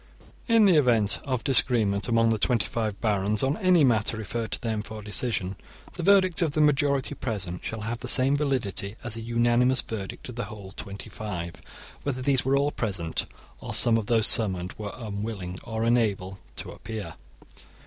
* In the event of disagreement among the twenty five barons on any matter referred to them for decision, the verdict of the majority present shall have the same validity as a unanimous verdict of the whole twenty five, whether these were all present or some of those summoned were unwilling or unable to appear.